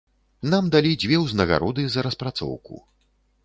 Нам далі дзве ўзнагароды за распрацоўку.